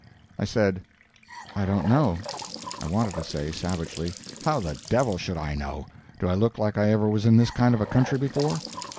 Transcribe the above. I said: "I don't know. "I wanted to say, savagely, "How the devil should I know? Do I look like I ever was in this kind of a country before?"